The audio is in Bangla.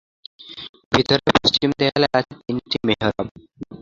ভিতরে পশ্চিম দেয়ালে আছে তিনটি মেহরাব।